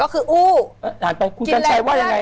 คุณกัญชัยว่าอย่างไร